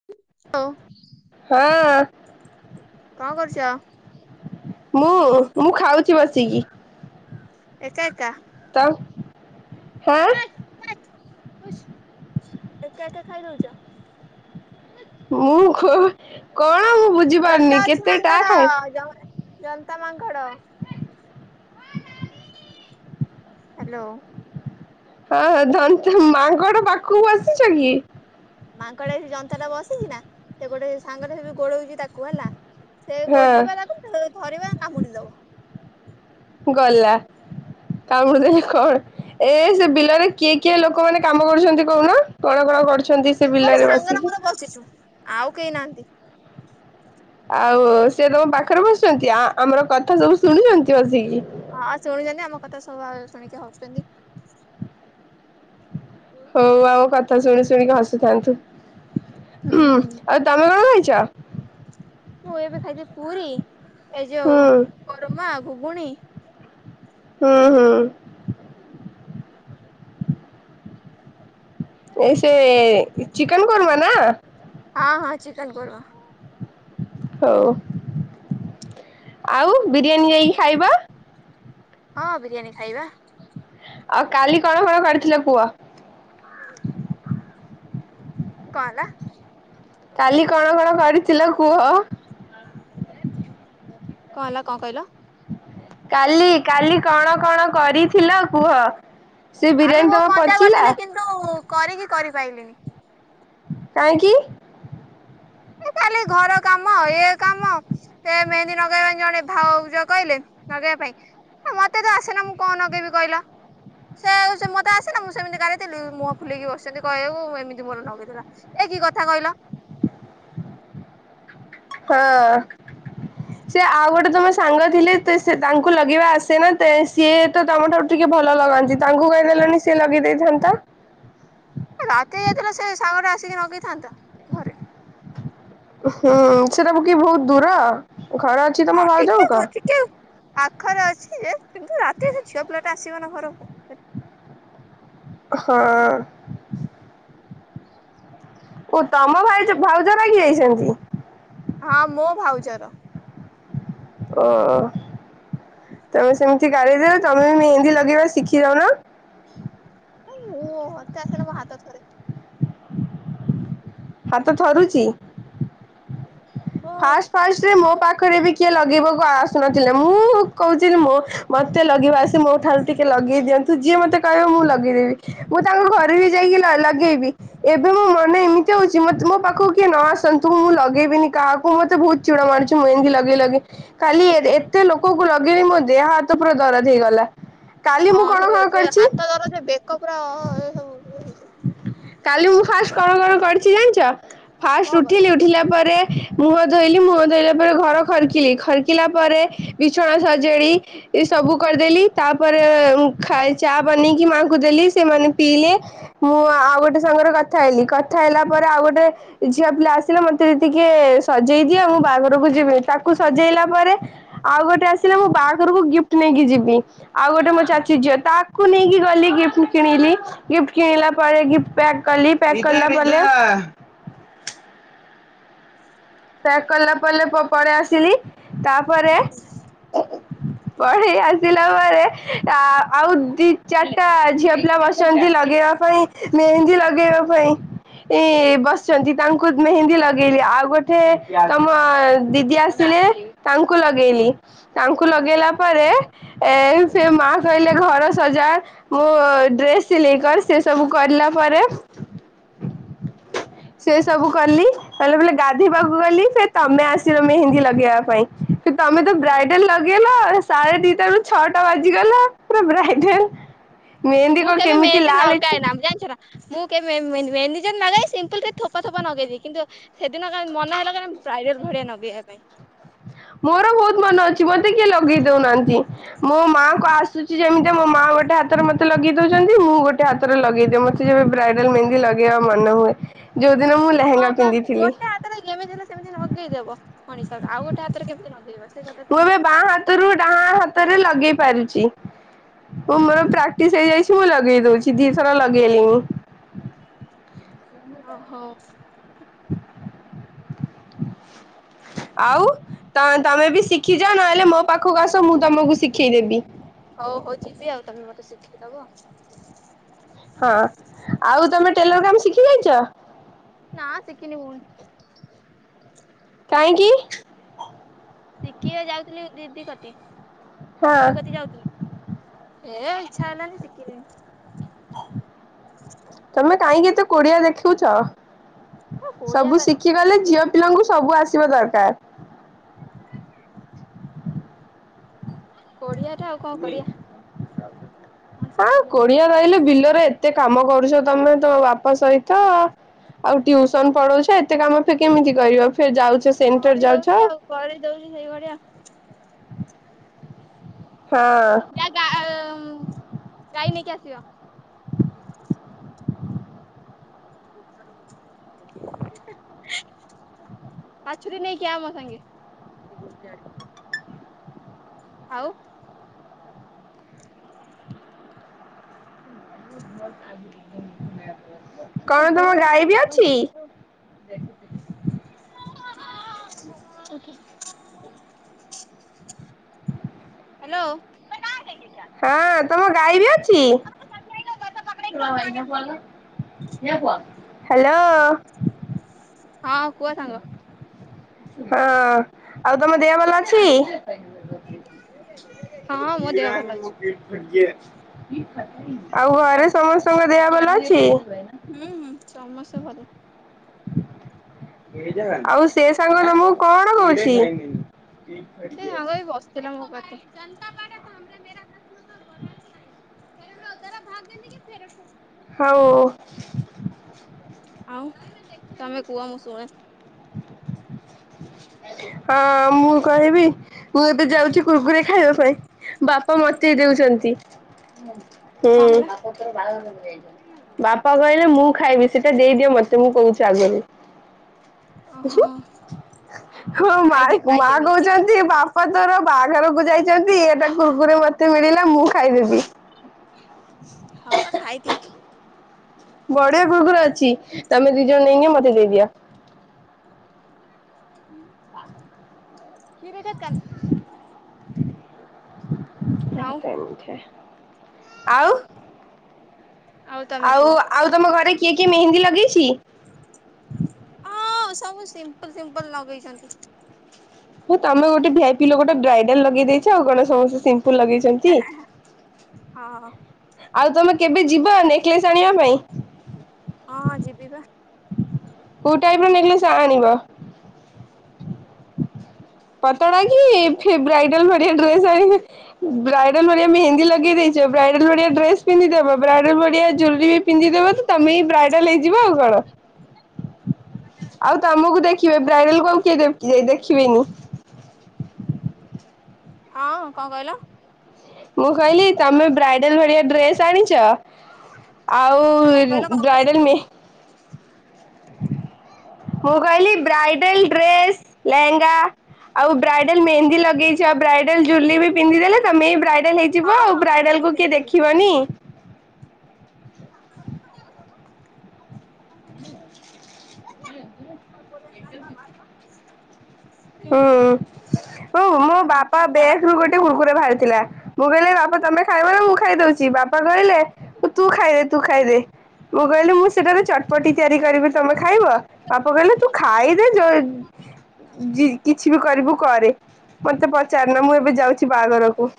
[unintelligible] ହଁ। କଁ କରୁଚ? ମୁଁ ମୁଁ ଖାଉଛି ବସିକି। ଏକା ଏକା। ତ ହଁ। ଏକା ଏକା ଖାଇଦଉଛ। ମୁଁ କ କଣ ମୁଁ ବୁଝ ଜନତା ଅଛି ମାଙ୍କଡ ଯ ଜନ୍ତା ମାଙ୍କଡ, ହ୍ୟାଲୋ। ହଁ ଦନ୍ତ ମାଙ୍କଡ ପାଖକୁ ଆସିଚ କି? ମାଙ୍କଡେ ଯନ୍ତା ଟା ବସେଇକିନା ସେ ଗୋଟେ ସାଙ୍ଗରେ ଏବେ ଗୋଡଉଛି ତାକୁ ହେଲା। ସେ ଗୋଡେଇବା ହଁ ଲକୁ ଧରିବା କାମୁଡି ଦବ। ଗଲା। କାମ ଦେଖେ କଣ ଏ ସେ ବିଲରେ କିଏ କିଏ ଲୋକମାନେ କାମ କରୁଛନ୍ତି କହୁନ। କଣ କଣ କରଛନ୍ତି ସେ ବିଲାରେ ବସିକି। ଆସିଛୁ। ଆଉ କେହି ନାହାନ୍ତି। ଆଉ ସେ ତମ ପାଖରେ ବସିଛନ୍ତି ଆ ଆମର କଥା ସବୁ ଶୁଣିଛନ୍ତି ବସିକି। ହଁ ଶୁଣିଛନ୍ତି ଆମ କଥା ସବୁ ଶୁଣିକି ହସୁଛନ୍ତି। କଣ କରନ୍‌। ହୋଉ ଆଉ କଥା ଶୁଣି ଶୁଣିକି ହସୁଥାନ୍ତୁ ହୁଁ ଉଁ ଆଉ ତମେ କଣ ଖାଇଛ। ମୁଁ ଏବେ ଖାଇଥିଲି ପୁରୀ ଏ ଯୋଉ ହୁଁ କରମା ଘୁଗୁଣି ହୁଁ ହୁଁ। ଏ ସେ ଚିକେନ କରମା ନା। ହଁ ହଁ ଚିକେନ କର୍ମା। ହଉ ଆଉ ବିରିୟାନୀ ଯାଇକି ଖାଇବା। ହଁ ବିରିୟାନୀ ଖାଇବା। ଆଉ କାଲି କଣ କଣ କରିଥିଲେ କୁଅ। କଣ ହେଲା। କାଲି କଣ କଣ କରିଥିଲ କୁହ। ହେଲା କଣ ହେଲା କଣ କହିଲ। କାଲି କାଲି କଣ କଣ କରିଥିଲ କୁହ। ସେ ବିରିୟାନୀ ତକ ପଚିଲା। ତ କରିକି କରିପାଇଲିନି‌। କହିଁକିି। ଏ କାଲି ଘର କାମ ଏ କାମ। ସେ ମେହେନ୍ଦୀ ଲଗେଇବା ପାଇଁ ଜଣେ ଭାଉଯ କହିଲେ ଲଗେଇବା ପାଇଁ। ମତେ ତ ଆସିନ ମୁଁ କଣ ନଗେଇବି କହିଲା। ସେ ଆଉ ସେ ମତେ ଆସିଲା ମୁଁ ସେମିତି ଗାରେ ଇଥିଲି ମୁହଁ ଫୁଲେଇକି ବସିଛନ୍ତି କହିବୁ ଏମିତି ମୋର ନଗେଇ ଥିଲା। ଏ କି କଥା କହିଲ। ହଁ। ସେ ଆଉ ଗୋଟେ ତମ ସାଙ୍ଗ ଥିଲେ ତେ ସେ ତାଙ୍କୁ ଲଗେଇବା ଆସେ ନା ତେ ସିଏ ତ ତମ ଠାରୁ ଟିକେ ଭଲ ଲଗାନ୍ତି ତାଙ୍କୁ କହିଦେଲେନି ସିଏ ଲଗେଇ ଦେଇଥାନ୍ତା। ରାତି ଯାଇଥିଲା ସେ ସାଙ୍ଗରେ ଆସିକି ଲଗେଇଥାନ୍ତା ଘରେ। ହୁଁ ସେଟା ବୁ କି ବହୁତ୍ ଦୂର ଖରାରେ ହଁ ଟିକେ ଖଟିକି ପାଖରେ ଅଛି ଯେ କିନ୍ତୁ ରାତି ସେ ଝିଅ ପିଲାଟା ଆସିବ ନା ଘରକୁ। ହଁ। ଓ ତମ ଭାଇଜ ଭାଉଜ ଲାଗି ଯାଇଛନ୍ତି। ହଁ ମୋ ଭାଉଜର। ଓ ତମ ସେମି ସେ ଗାରେଇ ଦେବେ ତମେ ମେହେଁନ୍ଦୀ ଲଗେଇବା ଶିଖି ଯାଉନ। ମୁଁ ହତା ସେନା ମୁଁ ହାତ ଥରେ। ହାତ ଥରୁଚି। ଓ ଫାଷ୍ଟ ଫାଷ୍ଟ ମୋ ପାଖରେ ବି। କିଏ ଲଗେଇବାକୁ ଆସୁନଥିଲେ ମୁଁ କହୁଛିି ମୁଁ ମତେ ଲଗେଇବା ଆସେ ମୋ ଠାରୁ ଟିକେ ଲଗେଇ ଦିଅନ୍ତୁ। ତୁଝିଆ ମତେ କହିବୁ ମୁଁ ଲଗେଇଦେବି ମୁଁ ତାଙ୍କୁ ଘରେ ବି ଯାଇକି ଲଗେଇବି। ଏବେ ମୋ ମନ ଏମିତି ହଉଚି ମେ ମୋ ପାଖକୁ କିଏ ନ ଆସନ୍ତୁ ମୁଁ ଲଗେଇବିନି କାହାକୁ। ମୁ ମତେ ବହୁତ ଚିଡ ମାଡୁଚି ମୁଁ ଏମତି ଲଗେଇ ଲଗେଇ କାଲି ଏତେ ଲୋକଙ୍କୁ ଲଗେଇଲିି ମୋ ଦେହ ହାତ ପୁରା ଦରଦ ହେଇଗଲା। କାଲି ମୁଁ କଣ କଣ କରିଚ କପୁରା ଅ ଇ ଏ ସବୁ ଇଏ ହେଇଚି। କାଲି ମୁଁ ଫାଷ୍ଟେ କଣ କଣ କରିଚି ଜାଣିଚ କଣ ଫାଷ୍ଟେ ଉଠିଲି କରିବ? ଉଠିଲା ପରେ ମୁହଁ ଧୋଇଲି ମୁହଁ ଧୋଇଲା ପରେ ଘର ଖରକିଲି ଖରିକିଲା ପରେ ବିଛଣା ସଜେଇଲି। ଏ ସବୁ କରିଦେଲି ତାପରେ ଚା ବନେଇକି ମାଙ୍କୁ ଦେଲି ସେମାନେ ପିଇଲେ। ମୁଁ ଆଉ ଗୋଟେ ସାଙ୍ଗରେ କଥା ହେଇଲି କଥା ହେଲା ପରେ ଆଉ ଗୋଟେ ଝିଆ ପିଲା ଆସିଲେ ମତେ ଟିକେ ସଜେଇ ଦିଅ ଆଉ ମୁଁ ବାହାଘରକୁ ଯିବି ତାକୁ ସଜେଇଲା ପରେ ଆଉ ଗୋଟେ ଆସିଲା ମୁଁ ବାହାଘରକୁ ଗିଫ୍ଟି ନେଇକି ଯିବି। ଆଉ ଗୋଟେ ମୋ ଚାଚୁ ଝିଅ ତାକୁ ନେଇକି ଗଲି ଗିଫ୍ଟି କିଣିଲି ଗିଫ୍ଟ୍ କିଣିଲା ପରେ ଗିଫ୍ଟି ପ୍ୟାକ୍ କଲି ପ୍ୟାକ୍ କଲା ପରେ ପ୍ୟାକ୍ କଲା ପରେ ପେଳେଇ ଆସିଲି ତାପରେ [inaudible] ପଳେଇ ଆସିଲା ପରେ ଆ ଆଉ ଦି ଚାରିଟା ଝିଅ ପିଲା ବସିଚନ୍ତି ଲଗେଇବା ପାଇଁ ମେହେନ୍ଦୀ ଲଗେଇବା ପାଇଁ। ଏ ବସିଛନ୍ତି ତାଙ୍କୁ ମେହେନ୍ଦୀ ଲଗେଇଲି ଆଉ ଗୋଟେ ତମ ଦିଦି ଆସିଲେ ତାଙ୍କୁ ଲଗେଇଲି ତାଙ୍କୁ ଲଗେଇଲା ତାପରେ ଏ ସେ ମା କହିଲେ ଘର ସଜା। ମୁଁ ଡ୍ରେସ ସିଲେଇ କର ସେ ସବୁ କରିଲା ପରେ ହିଚ୍। ସେ ସବୁ କଲି କହିଲେ ବୋଲେ ଗାଧୋଇବାକୁ ଗଲି ତମେ ଆସିଲନେହିଁ ମେହେନ୍ଦୀ ଲଗେଇବା ପାଇଁ। ତମେ ତ ହୁଁ ବ୍ରାଇଡଲ୍ ଲ ଲଗେଇଲ ସାଢେ ଦିଟା ରୁ ଛଅଟା ବାଜିଗଲା ପୁରା ବ୍ରାଇଡେଲ୍। ମେହେନ୍ଦୀ କଣ କେମିତି ଲାଲ ହେଇଛି? ତମେ ଜାଣିଛ ନା? ମୁଁ କେ ମେଜ ନାଗା ସିମ୍ପଲ୍ ଥରେ ଥୋପା ଥୋପା ନଗେଇଚି କିନ୍ତୁ ସେଦିନ କାଇଁ ମନ ହେଲା କଣ ବ୍ରାଇଡାଲ ଭଳିଆ ନଗେଇବା ପାଇଁ। ମୋର ବହୁତ୍ ମନ ଅଛି ମତେ କିଏ ଲଗେଇ ଦେଉନାହାନ୍ତି। ମୋ ମାଆଙ୍କ ଆସୁଛି ଯେମିତି ମୋ ମାଆ ଗୋଟେ ହାତରେ ମତେ ଲଗେଇ ଦଉଛନ୍ତି ମୁଁ ଗୋଟେ ହାତ। ଲଗେଇଦିଅ ମତେ ଯେବେ ବ୍ରାଇଡାଲ ମେନ୍ଦି ଲଗେଇବା ମନ ହୁଏ ଯୋଉ ଦିନ ମୁଁ ଲେହେଙ୍ଗା ପିନ୍ଧିଥିଲି। କାହିଁନା ଯେମିତି ହେଲେ ସେମତିଲଗେଇଦବ ମଣିଟା ଆଉ ଗୋଟେ ହାତରେ କେମିତି ଲଗେଇବ। ମୁଁ ଏବେ ବାଁ ହାତରୁ ଡାହାଣ ହାତରେ ଲଗେଇ ପାରୁଚି। ମୁଁ ମୋର ପ୍ରାକ୍ଟିସ୍ ହେଇଯାଇଛି ମୁଁ ଲଗେଇ ଦଉଛି ଦି ଥର ଲଗେଇଲିଣି। ଓହୋ। ଆଉ ତମେ ବି ଶିଖିଯାଅ ନହେଲେ ମୋ ପାଖକୁ ଆସ ମୁଁ ତମକୁ ଶିଖେଇଦେବି। ହଉ ହଉ ଯିବି ଆଉ ତମେ ମତେ ଶିଖେଇଦବ। ହଁ ଆଉ ତମେ ଟେଲର କାମ ଶିଖି ଯାଇଛ। ନାଁ ଶଖିନି ଭୋଉଣି। କାହିଁକି? ଶିଖିବାକୁ ଯାଉଥିଲି ଦିଦି କତି ହଁ ଭୋଉଣୀ କତିକି ଯାଉଥିଲି। ହେ ଇଚ୍ଛା ହେଲାନି ଶିଖି ନେହିଁ। ତମେ କାହିଁକି ଏତେ କୋଡିଆ ଦେଖୁଛ? କୋଳିଆ ସବୁ ଶିଖି ଗଲେ ଝିଅ ପିଲାଙ୍କୁ ସବୁ ଆସିବା ଦରକାର। କୋଢିହାଟା ଆଉ କଣ କରିବା। ମଣିଷ ହଁ କୋଢିଆ କୋଢିହା ହେଇଯାଇଛି। ରହିଲେ ବିଲରେ। ଏତେ କାମ କରୁଛ ତମେ ତମ ବାପା ସହିତ ଆଉ ଟ୍ୟୁସନ ପଳଉଛ ଏତେ କାମ ଫେରେ କେମିତି କରିବ ଫେରେ ଯାଉଛ ସେଣ୍ଟର ଯାଉଛ। କରିଦଉଛି ଆଉ କରି ଦଉଛି ସେଇଭଳିଆ। ହାଁ। ଏଁ ଆ ଗାଏଁ ମଁ ଗାଈ ନେଇକି ଆସିବ। ବାଛୁରୀ ନେଇକି ଆ ମୋ ସାଙ୍ଗେ ସେ ଗୁଣ୍ଡି ଆଣିବ କହିବୁଲ। ଥାଉଁ। କଣ ଓହୋ ତମ କି ଗାଈ ବି ଗରମ ଅଛି? ହଉଛି ଆଜ୍ଞା। ହ୍ୟାଲୋ। ହାଁ ତମ ଗାଈ ବି ଅଛି? ଛୁଆଁ ଭାଇଟା ଫୋନ୍ କର ଝିଅ ପୁଅ ହ୍ୟାଲୋ। ହଁ କୁହ ସାଙ୍ଗ ହଁ ଆଉ ତମ ଦେହ ଭଲ ଅଛି? ଆବେ ହଁ ମୋ ଦେହ କିଣା ହେଇନି ଭଲ ଅଛି। ମୁଦି। ଆରେ କିଣା କିଣା ହେଇନି ଆଉ ଘରେ ସମସ୍ତଙ୍କ ଦେହ ଭଲ ଅଛି। ହୁଁ ହୁଁ ସମସ୍ତେ ଭଲ। ମେରୀ ଯାନ ଆଉ ସେ ସାଙ୍ଗ ତମକୁ କଣ କହୁଛି? ସେ ସାଙ୍ଗ ଏଇ ବସିଥିଲା ମୋ ପାଖରେ। ଫେର ନ ତେରା ଭାଗ ଦେନେକି ଫେରସ୍ତ ହୋଗି। ହଉଁ। ଆଉ ନାଇଁ ନାଇଁ ଦେଖିଆ ତମେ କୁହ ମୁଁ ଶୁଣେ। ହଁ ମୁଁ କହିବି। ମୁଁ ଏବେ ଯାଉଛି କୁରୁକୁରୀ ଖାଇବା ପାଇଁ। ବାପା ମୋତେ ଦେଉଛନ୍ତି। ଉଁ କଣ ହୁଁ ହେଲା ବାପାଙ୍କୁ କହିବ ବାହାଘର କରିଦେବେ। ବାପା କହିଲେ ମୁଁ ଖାଇବି ସେଇଟା ଦେଇଦିଅ ମୋ ମୋତେ ମୁଁ କହୁଛି ଆଗରୁ। ଓହୋ ଆଚ୍ଛା। ହଁ ମା ଖାଇଦିଏ ମା ଖାଇଦିଏ ମିଶିକି କହୁଛନ୍ତି ଖାଇଦିଏ। ବା ପା ତୋର ବାହାଘରକୁ ଯାଇଛନ୍ତି ଏଟା କୁରୁକୁରୀ ମୋତେ ମିଳିଲା ମୁଁ ଖାଇଦେବି। ହଁ ଖାଇଦିଅ। ବଢିଆ କୁରୁକୁରୀ ଅଛି ତମେ ଦି ଜଣ ନେଇକି ମୋତେ ଦେଇଦିଅ। କିଏରେ ଏଟା କାନ ନାହିଁ ଆଉ ସେମିତି ଆଉ। ଆଉ ତମେ କୁ ଓ ଆଉ ତମ ଘରେ କିଏ କିଏ ମେହେନ୍ଦୀ ଲଗେଇଛି? ହଁ ସବୁ ସିମ୍ପଲ ସିମ୍ପଲ ଲଗେଇଛନ୍ତି। ହଁ ତମେ ଗୋଟେ ଭିଆପି ଲୋକ ଟା ବ୍ରାଇଡାଲ ଲଗେଇ ଦେଇଛ ଆଉ କଣ ସମସ୍ତେ ସିମ୍ପଲ ଲଗେଇଛନ୍ତି। ହଁ ହଁ ଛନ୍ତି ଆଉ ତମେ କେବେ ଯିବ ନେକ୍ଳେଶ ଆଣିବା ପାଇଁ? ହଁ ହଁ ଯିବି ବା। କୋଉଁ ଟାଇପ୍ ର ନେକ୍ଳେଶ ଆ ଆଣିବ? ପତଳା କି ଫି ବ୍ରାଇଡାଲ ଭଳିଆ ଡ୍ରେସ୍ ଆଣିବେ ବ୍ରାଇଡାଲ ଭଳିଆ ମେହେନ୍ଦି ଲଗେଇ ଦେଇଛ ବ୍ରାଇଡାଲ ଭଡଳିଆ ଡ୍ରେସ ପିନ୍ଧିଦେବ ବ୍ରାଇଡାଲ ଭଳିଆ ଜୁଲୀରି ବି ପିନ୍ଧିଦବ ତମେ ହି ବ୍ରାଇଡାଲ ହେଇଯିବ ଆଉ କଣ? ଆଉ ତମକୁ ଦେଖିବେ ବ୍ରାଇଡାଲ କଣ କିଏ ଯାଇ ଦେଖିବେନି। ହଁ କଣ କହିଲ? ମୁଁ କହିଲି ତମେ ବ୍ରାଇଡାଲ ଭଳିଆ ଡ୍ରେସ୍ ଆଣିଚ ଆଉ କଣ କହିଲ କଣ କହିଲ ବ୍ରାଇଡ଼ାଲ୍ ମେ ଶୁଭୁନି। ମୁଁ କହିଲି ବ୍ରାଇଡେଲ ଡ୍ରେସ ଲେହେଙ୍ଗା ଆଉ ବ୍ରାଇଡାଲ ମେହେନ୍ଦୀ ଲଗେଇଛି ଆ ବ୍ରାଇଡଲ ଜୁଲିର ବି ପିନ୍ଧି ଦେଲେ ତମେ ବି ବ୍ରାଇଡେଲ ହେଇ ହଁ ଯିବ ଆଉ ହଁ ବ୍ରାଇଡାଲ ପିନ୍ଧିବି କୁ କିଏ ପିନ୍ଧିବି। ଦେଖିବନି। [inaudible] [inaudible] ହ ମୋ ବାପା ବେଗ ରୁ ଗୋଟେ କୁରକୁରେ ବାହାରିଥିଲା ମୁଁ କହିଲି ବାପା ତମେ ଖାଇବ ମୁଁ ଖାଇଦଉଚି ବା ବାପା କହିଲେ ତୁ ଖାଇଦେ ତୁ ଖାଇଦେ ମୁଁ କହିଲେ ମୁଁ ସେଇଟା ବି ଚ ପଟି ତିଆରି କରିବି ତମେ ଖାଇବ ବାପା କହିଲେ ତୁ ଖାଇଦେ ଯୋଉ ଜି କିଛି ବି କରିବୁ କରେ ମତେ ପଚାର ନା ମୁଁ ଏବେ ଯାଉଛି ବାହାଘରକୁ।